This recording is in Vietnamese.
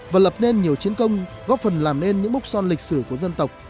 và lập nên nhiều chiến công góp phần làm nên những mốc son lịch sử của dân tộc